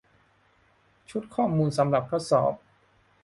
ชุดข้อมูลสำหรับทดสอบ